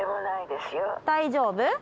大丈夫？